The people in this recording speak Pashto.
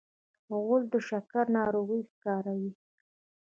غول د شکر ناروغي ښکاروي.